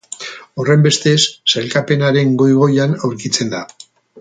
Horrenbestez, sailkapenaren goi-goian aurkitzen da.